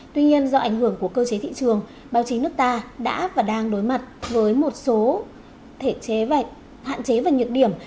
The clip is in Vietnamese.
tuy nhiên do ảnh hưởng của cơ chế thị trường báo chí nước ta đã và đang đối mặt với một số thể chế và hạn chế và nhược điểm